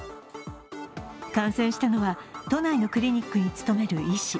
感染したのは都内のクリニックに勤める医師。